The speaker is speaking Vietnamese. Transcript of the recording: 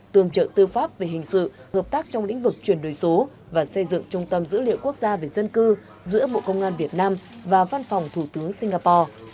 tương trợ tư pháp về hình sự hợp tác trong lĩnh vực chuyển đổi số và xây dựng trung tâm dữ liệu quốc gia về dân cư giữa bộ công an việt nam và văn phòng thủ tướng singapore